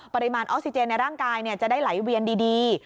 ปริมาณออกซิเจนในร่างกายจะได้ไหลเวียนดี